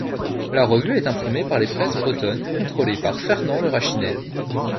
La revue est imprimée par Les Presses bretonnes, contrôlées par Fernand Le Rachinel.